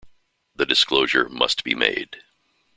The disclosure must be made.